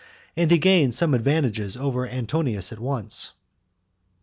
And he gained some advantages over Antonius at once.